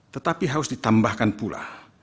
tetapi harus ditambahkan pula